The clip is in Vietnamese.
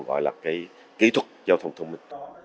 hoặc cái kỹ thuật giao thông thông minh